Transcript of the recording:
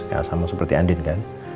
ya sama seperti andin kan